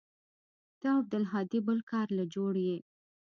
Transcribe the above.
ته او عبدالهادي بل کار له جوړ يې.